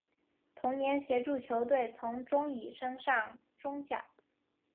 同年协助球队从中乙升上中甲。